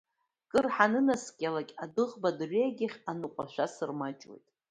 Кыр ҳанынаскьалак, адәыӷба дырҩагьых аныҟәашәа сырмаҷуеит.